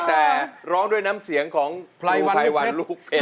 แต่ร้องด้วยน้ำเสียงของไพรวันลูกเอ